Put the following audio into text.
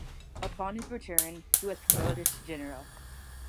Upon his return he was promoted to General.